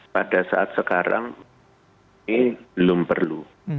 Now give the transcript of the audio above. pada saat sekarang ini belum perlu